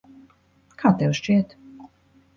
Kā tev šķiet?